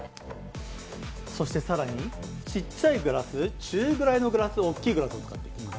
そしてさらに、ちっちゃいグラス、中ぐらいのグラス、大きいグラスを使っていきます。